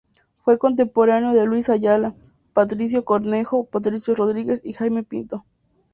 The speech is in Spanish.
Fue contemporáneo de Luis Ayala, Patricio Cornejo, Patricio Rodríguez y Jaime Pinto.